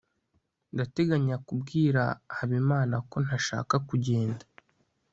ndateganya kubwira habimana ko ntashaka kugenda